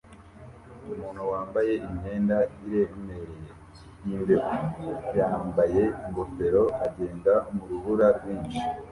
Umuntu wambaye imyenda iremereye yimbeho yambaye ingofero agenda murubura rwinshi